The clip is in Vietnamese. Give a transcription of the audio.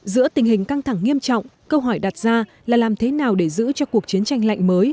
giữa tình hình căng thẳng nghiêm trọng câu hỏi đặt ra là làm thế nào để giữ cho cuộc chiến tranh lạnh mới